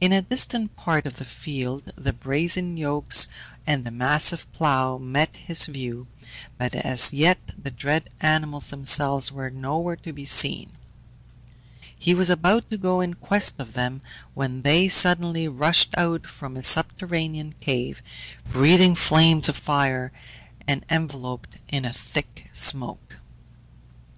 In a distant part of the field the brazen yokes and the massive plough met his view, but as yet the dread animals themselves were nowhere to be seen. He was about to go in quest of them, when they suddenly rushed out from a subterranean cave, breathing flames of fire, and enveloped in a thick smoke.